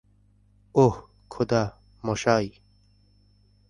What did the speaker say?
ওহ, খোদা, মশাই!